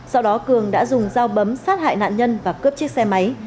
sau đó cường đã dùng dao bấm sát hại nạn nhân và cướp chiếc xe máy